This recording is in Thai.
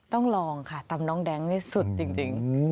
ต้องลองค่ะตำน้องแดงนี่สุดจริง